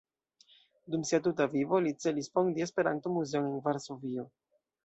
Dum sia tuta vivo li celis fondi Esperanto-muzeon en Varsovio.